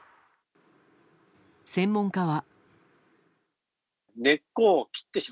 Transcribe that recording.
専門家は。